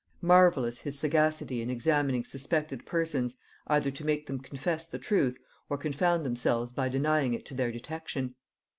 Marvellous his sagacity in examining suspected persons, either to make them confess the truth, or confound themselves by denying it to their detection.